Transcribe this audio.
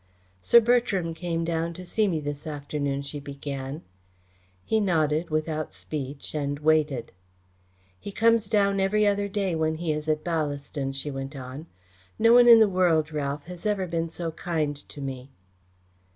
"Sir Bertram came down to see me this afternoon," she began. He nodded without speech, and waited. "He comes down every other day when he is at Ballaston," she went on. "No one in the world, Ralph, has ever been so kind to me."